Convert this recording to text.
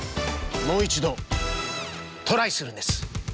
もういちどトライするんです。